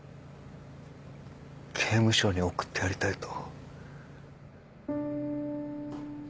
刑務所に送ってやりたいと。